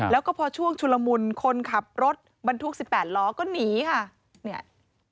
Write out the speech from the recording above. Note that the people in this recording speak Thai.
แล้วก็พอช่วงชุลมุนคนขับรถบรรทุก๑๘ล้อก็หนีค่ะเนี่ย